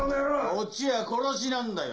こっちは殺しなんだよ。